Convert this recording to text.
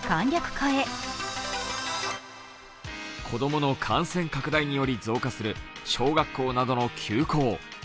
子供の感染拡大により増加する小学校などの休校。